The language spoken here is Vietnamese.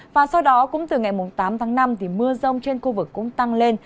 và sau đó cũng từ ngày tám tháng năm thì mưa rông trên khu vực cũng tăng lên